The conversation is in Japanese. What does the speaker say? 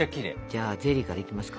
じゃあゼリーからいきますか。